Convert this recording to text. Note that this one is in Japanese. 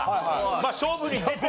まあ勝負に出て。